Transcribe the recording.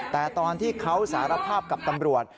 แต่ตอนที่เขาสารภาพกับตำรวจ